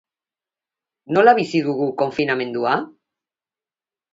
Nola bizi dugu konfinamendua?